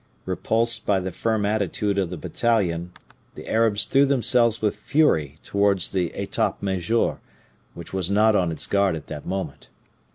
Repulsed by the firm attitude of the battalion, the Arabs threw themselves with fury towards the etat major, which was not on its guard at that moment.